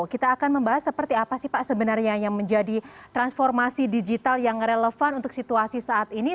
kita akan membahas seperti apa sih pak sebenarnya yang menjadi transformasi digital yang relevan untuk situasi saat ini